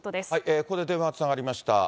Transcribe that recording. ここで電話がつながりました。